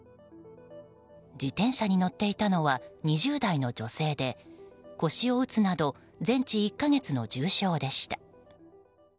自転車に乗っていたのは２０代の女性で腰を打つなど全治１か月の重傷でした。